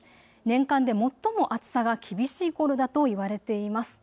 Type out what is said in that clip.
年間で最も暑さが厳しいころだと言われています。